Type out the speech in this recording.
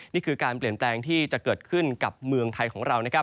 นี่คือการเปลี่ยนแปลงที่จะเกิดขึ้นกับเมืองไทยของเรานะครับ